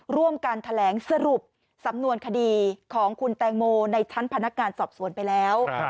ร่วมกันแถลงสรุปสำนวนคดีของคุณแตงโมในชั้นพนักงานสอบสวนไปแล้ว